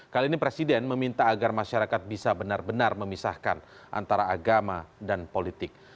kali ini presiden meminta agar masyarakat bisa benar benar memisahkan antara agama dan politik